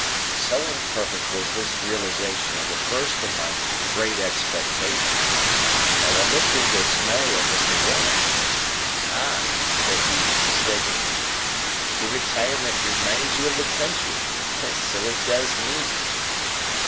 So imperfect was this realisation of the first of my great expectations, that I looked in dismay at Mr. Wemmick. "Ah!" said he, mistaking me; "the retirement reminds you of the country. So it does me."